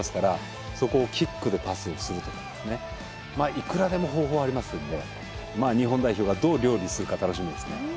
いくらでも方法はありますんで日本代表がどう料理するか楽しみですね。